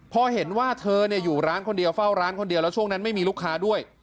พอเห็นว่าเธออยู่ร้านคนเดียวเฝ้าร้านคนเดียวแล้วช่วงนั้นไม่มีลูกค้าด้วย